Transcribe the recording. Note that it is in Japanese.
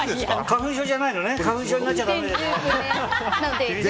花粉症じゃないのね。